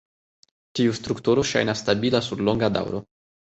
Tiu strukturo ŝajnas stabila sur longa daŭro.